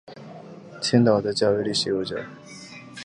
青岛的教育历史悠久。